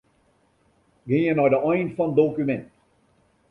Gean nei de ein fan dokumint.